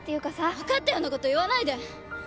分かったようなこと言わないで！